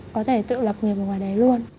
có thể tự lập nghiệp ở ngoài đấy luôn